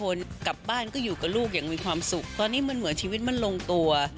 กำลักกายแรงแล้วก็กลับบ้านก็อยู่กับลูกอย่างมีความสุขพี่บิลก็เลยเหมือนชีวิตมันลงตัว